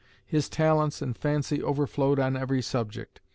His talents and fancy overflowed on every subject.